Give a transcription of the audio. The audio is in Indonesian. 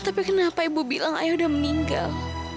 tapi kenapa ibu bilang ayo udah meninggal